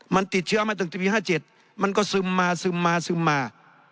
มันติดเชื้อมาตั้งแต่ปี๕๗มันก็ซึมมาซึมมาซึมมา